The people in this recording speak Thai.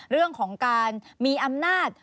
เรื่องของการมีอำนาจ